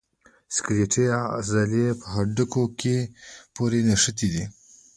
سکلیټي عضلې په هډوکو پورې نښتي دي.